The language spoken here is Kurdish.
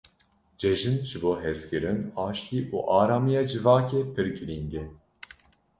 Cejin ji bo hezkirin, aştî û aramiya civakê pir girîng e.